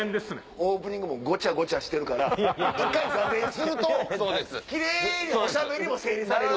オープニングもごちゃごちゃしてるから坐禅するとキレイにおしゃべりも整理される。